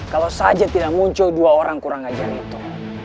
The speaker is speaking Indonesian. kalau saja tidak muncul dua orang kurang ajar itu